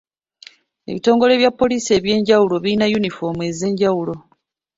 Ebitongole bya poliisi eby'enjawulo biyina yunifoomu ez'enjawulo.